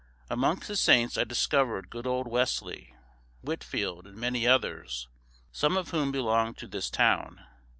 Amongst the saints I discovered good old Wesley, Whitfield, and many others, some of whom belonged to this Town.